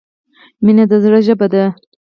مینه د زړه ژبه ده.